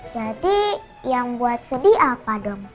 jadi yang buat sedih apa dong